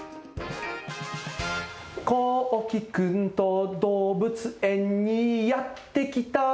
「こうきくんとどうぶつえんにやってきた」